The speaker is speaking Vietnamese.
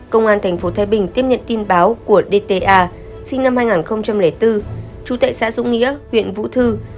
công an tp thái bình tiếp nhận tin báo của dta sinh năm hai nghìn bốn trú tại xã dũng nghĩa huyện vũ thư